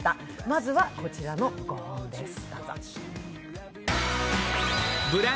まずはこちらの５本です。